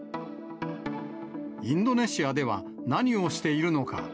インドネシアでは何をしているのか。